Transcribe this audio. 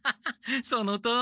そのとおり！